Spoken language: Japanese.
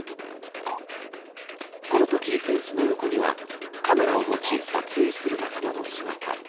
このとき、フェンスの横にはカメラを持ち撮影する仲間の姿。